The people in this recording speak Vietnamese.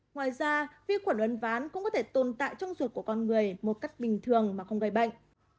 ngoài ra vi khuẩn uốn ván cũng có thể tồn tại trong ruột của con người một cách bình thường mà không gây bệnh